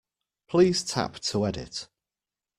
Please tap to edit.